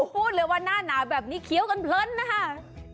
พูดเลยว่าหน้าหนาวแบบนี้เคี้ยวกันเพลินนะคะ